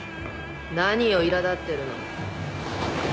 ・何をいら立ってるの？